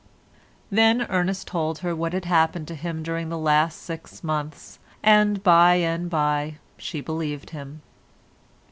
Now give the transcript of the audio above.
Then Ernest told her what had happened to him during the last six months, and by and by she believed him.